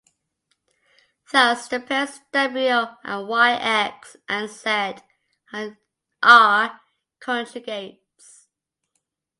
Thus the pairs, W and Y, X and Z, are conjugates.